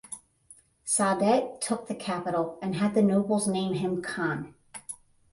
Saadet took the capital and had the nobles name him khan.